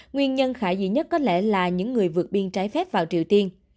nguyên nhân khả dĩ nhất có lẽ là những người vượt biên trái phép vào triều tiên